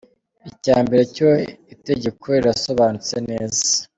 Icya mbere cyo itegeko rirasobanutse neza.